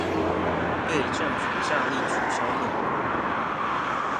被政府下令取消了